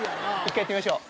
１回やってみましょう。